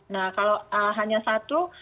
nah kalau hanya satu